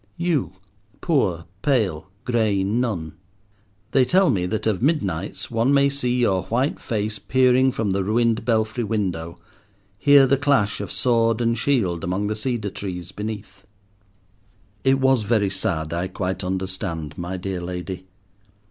You, poor, pale, grey nun—they tell me that of midnights one may see your white face peering from the ruined belfry window, hear the clash of sword and shield among the cedar trees beneath. It was very sad, I quite understand, my dear lady.